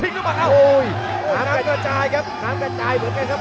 น้ำกระจายครับ